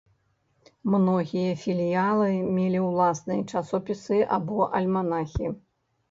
Многія філіялы мелі ўласныя часопісы або альманахі.